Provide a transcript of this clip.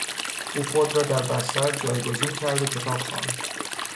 او خود را در بستر جایگزین کرد و کتاب خواند.